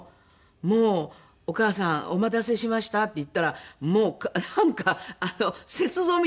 もう「お母さんお待たせしました」って言ったらもうなんか雪像みたいになってました。